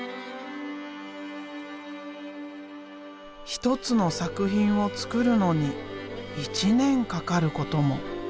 １つの作品を作るのに１年かかることも。